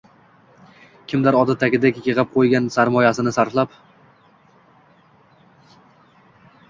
Kimdir odatdagidek yig‘ib qo‘ygan sarmoyasini sarflab